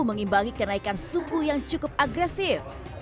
mengimbangi kenaikan suku yang cukup agresif